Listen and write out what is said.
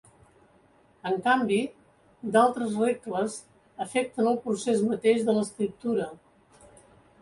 En canvi, d'altres regles afecten el procés mateix de l'escriptura.